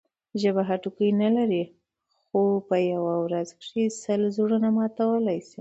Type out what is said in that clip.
ژبه هډوکی نه لري؛ خو په یوه ورځ کښي سل زړونه ماتولای سي.